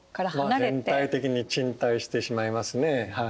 全体的に沈滞してしまいますねはい。